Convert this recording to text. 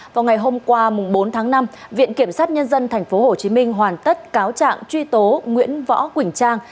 vào ngày hôm qua bốn tháng năm viện kiểm sát nhân dân tp hcm hoàn tất cáo trạng truy tố nguyễn võ quỳnh trang